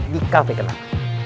di cafe kenang